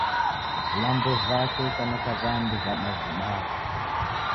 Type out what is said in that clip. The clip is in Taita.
Vilambo vake ukaneka w'andu wa'dawidagha.